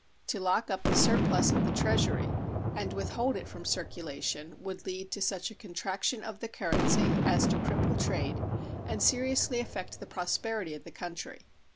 To lock up the surplus in the Treasury and withhold it from circulation would lead to such a contraction of the currency as to cripple trade and seriously affect the prosperity of the country.